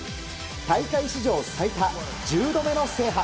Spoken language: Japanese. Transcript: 大会史上最多１０度目の制覇。